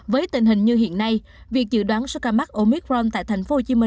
với tình hình như hiện nay việc dự đoán sau ca mắc omicron tại tp hcm